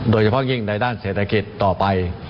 โดยเฉพาะยิ่งในด้านเศรษฐกิจต่อไป